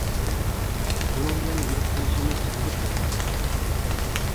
ئۇنىڭ بىلەن يۈرۈپ قېلىشىمىز قىزىق بولغان.